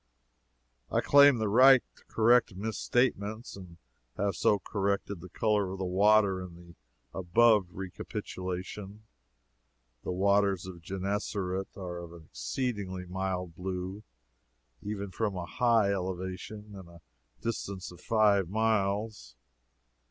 I claim the right to correct misstatements, and have so corrected the color of the water in the above recapitulation. The waters of Genessaret are of an exceedingly mild blue, even from a high elevation and a distance of five miles.